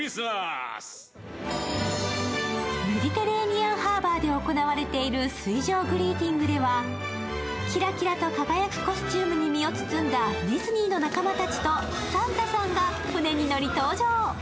メディテレーニアンハーバーで行われている水上グリーティングではキラキラと輝くコスチュームに身を包んだディズニーの仲間たちとサンタさんが船に乗り登場。